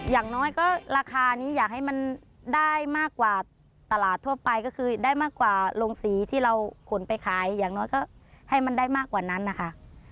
อย่างน้อยก็ราคานี้อยากให้มันได้มากกว่าตลาดทั่วไปก็คือได้มากกว่าโรงสีที่เราขนไปขายอย่างน้อยก็ให้มันได้มากกว่านั้นนะคะ